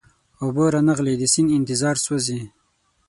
اوبه را نغلې د سیند انتظار سوزي